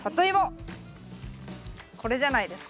これじゃないですか。